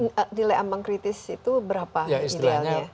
nilai ambang kritis itu berapa idealnya